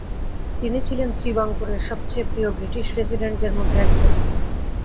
তিনি ছিলেন ত্রিবাঙ্কুরের সবচেয়ে প্রিয় ব্রিটিশ রেসিডেন্টদের মধ্যে একজন।